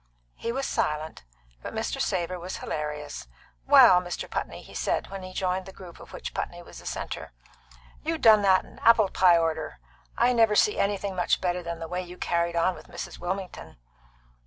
He was silent, but Mr. Savor was hilarious. "Well, Mr. Putney," he said, when he joined the group of which Putney was the centre, "you done that in apple pie order. I never see anything much better than the way you carried on with Mrs. Wilmington."